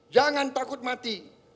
jangan takut mati